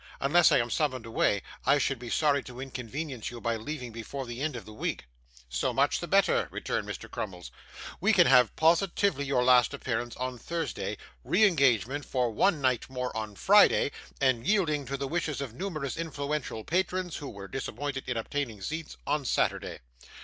'Unless I am summoned away, I should be sorry to inconvenience you by leaving before the end of the week.' 'So much the better,' returned Mr. Crummles. 'We can have positively your last appearance, on Thursday re engagement for one night more, on Friday and, yielding to the wishes of numerous influential patrons, who were disappointed in obtaining seats, on Saturday.